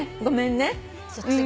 ごめんね。